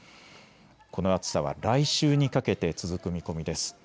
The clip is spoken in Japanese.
この暑さは来週にかけて続く見込みです。